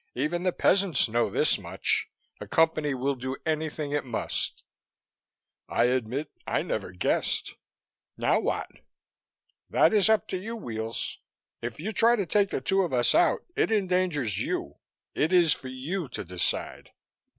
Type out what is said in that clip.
Even the peasants know this much the Company will do anything it must." "I admit I never guessed. Now what?" "That is up to you, Weels. If you try to take the two of us out, it endangers you. It is for you to decide."